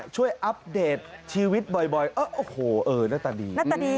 ช่วยอัปเดตชีวิตบ่อยโอ้โฮเออหน้าตาดี